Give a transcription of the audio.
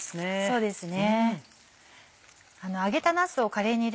そうですね。